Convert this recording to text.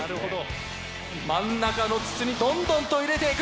真ん中の筒にどんどんと入れていく。